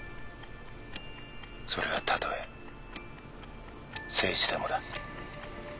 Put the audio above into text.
それがたとえ誠司でもだ。